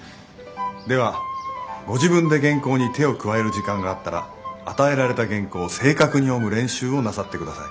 ではご自分で原稿に手を加える時間があったら与えられた原稿を正確に読む練習をなさって下さい。